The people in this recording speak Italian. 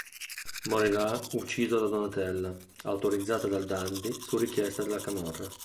Morirà ucciso da Donatella, autorizzata dal Dandi, su richiesta della camorra.